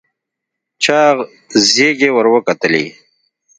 چاغ زيږې ور وکتلې.